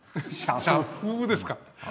社風ですか。